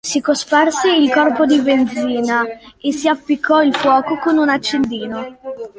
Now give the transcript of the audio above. Si cosparse il corpo di benzina e si appiccò il fuoco con un accendino.